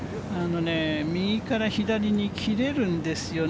右から左に切れるんですよね。